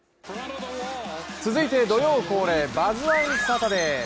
続いて土曜恒例、「バズ☆１」サタデー。